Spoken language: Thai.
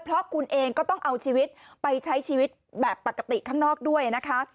เพราะคุณเองก็ต้องเอาชีวิตไปใช้ชีวิตแบบปกติข้างนอกด้วยนะคะ